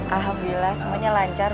alhamdulillah semuanya lancar